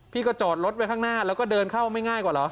จอดรถไว้ข้างหน้าแล้วก็เดินเข้าไม่ง่ายกว่าเหรอ